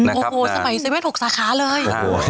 โอ้โห่สมัยเซเว่น๖สาขาเลย